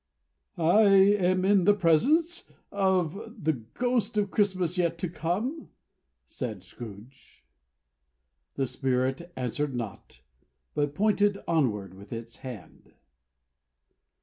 "I am in the presence of the Ghost of Christmas Yet To Come?" said Scrooge. The Spirit answered not, but pointed onward with its hand.